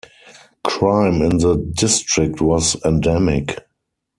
Crime in the district was endemic.